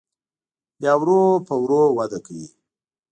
بیا ورو په ورو وده کوي.